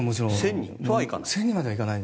１０００人はいかない？